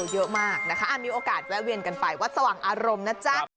เยอะมากนะคะมีโอกาสแวะเวียนกันไปวัดสว่างอารมณ์นะจ๊ะ